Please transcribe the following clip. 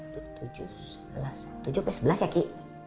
tujuh plus sebelas ya ki